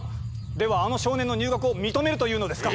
ではあの少年の入学を認めるというのですか？